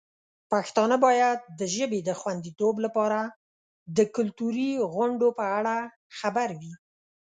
پښتانه باید د ژبې د خوندیتوب لپاره د کلتوري غونډو په اړه خبر وي.